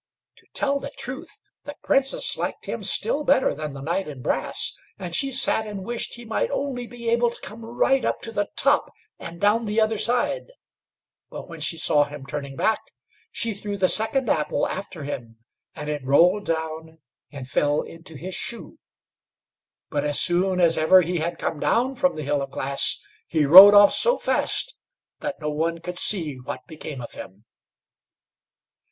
To tell the truth, the Princess liked him still better than the knight in brass, and she sat and wished he might only be able to come right up to the top, and down the other side; but when she saw him turning back, she threw the second apple after him, and it rolled down and fell into his shoe. But, as soon as ever he had come down from the Hill of Glass, he rode off so fast that no one could see what became of him.